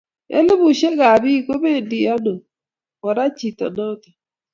elifushek ab piik ko pendi anoo kora chito notok